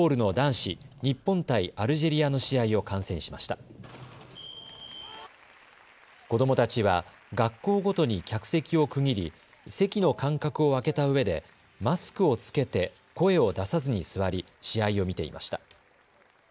子どもたちは学校ごとに客席を区切り席の間隔を空けたうえでマスクを着けて声を出さずに座り試合を見ていました。